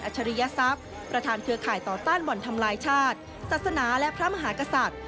ฉริยทรัพย์ประธานเครือข่ายต่อต้านบ่อนทำลายชาติศาสนาและพระมหากษัตริย์